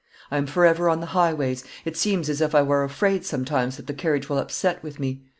I am forever on the highways; it seems as if I were afraid sometimes that the carriage will upset with me.